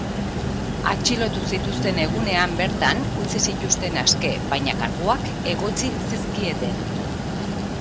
Atxilotu zituzten egunean bertan utzi zituzten aske, baina karguak egotzi zizkieten.